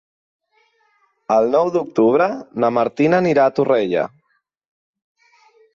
El nou d'octubre na Martina anirà a Torrella.